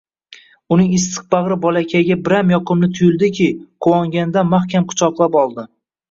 Uning issiq bagʻri bolakayga biram yoqimli tuyildiki, quvonganidan mahkam quchoqlab oldi